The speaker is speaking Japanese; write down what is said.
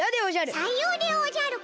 さようでおじゃるか。